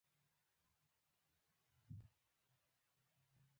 څه وخت ناڅاپي خبره ژوند بدلوي